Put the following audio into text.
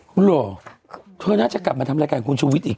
หรอเธอน่าจะกลับมาทำรายการคุณชุวิตอีก